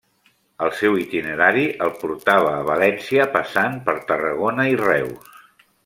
El seu itinerari el portava a València passant per Tarragona i Reus.